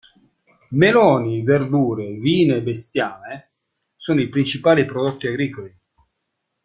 Meloni, verdure, vino e bestiame sono i principali prodotti agricoli.